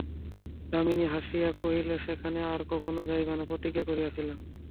দামিনী হাসিয়া কহিল, সেখানে আর কখনো যাইব না প্রতিজ্ঞা করিয়াছিলাম।